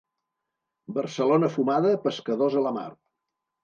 Barcelona fumada, pescadors a la mar.